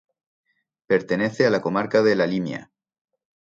Pertenece a la Comarca de La Limia.